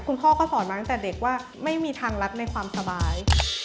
คุณพ่อก็สอนมาตั้งแต่เด็กว่าไม่มีทางรัดในความสบาย